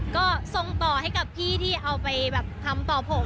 ก็ส่งต่อให้กับพี่ที่เอาไปแบบทำต่อผม